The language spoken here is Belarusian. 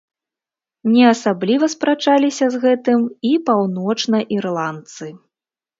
Не асабліва спрачаліся з гэтым і паўночнаірландцы.